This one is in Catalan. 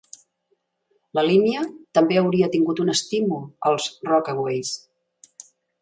La línia també hauria tingut un estímul als Rockaways.